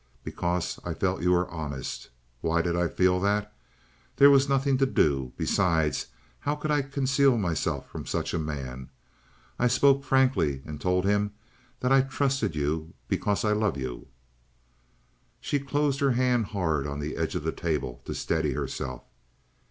Because I felt you were honest. Why did I feel that? There was nothing to do. Besides, how could I conceal myself from such a man? I spoke frankly and told him that I trusted you because I love you." She closed her hand hard on the edge of the table to steady herself.